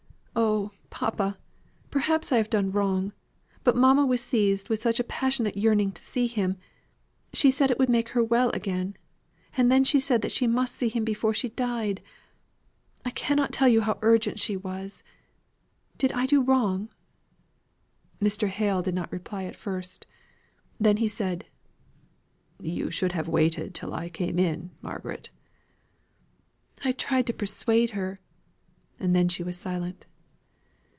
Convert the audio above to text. Oh, papa, perhaps I have done wrong: but mamma was seized with such a passionate yearning to see him she said it would make her well again and then she said that she must see him before she died I cannot tell you how urgent she was! Did I do wrong?" Mr. Hale did not reply at first. Then he said: "You should have waited till I came in, Margaret." "I tried to persuade her " and then she was silent.